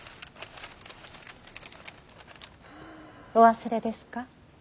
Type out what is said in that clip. お忘れですか。